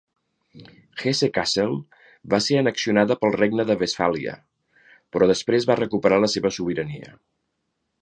Hesse-Kassel va ser annexionada pel Regne de Westfàlia, però després va recuperar la seva sobirania.